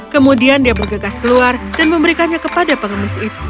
kemudian dia bergegas keluar dan memberikannya kepada pengemis itu